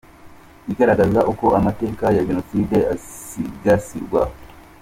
Igaragaza uko amateka ya Jenoside asigasirwa.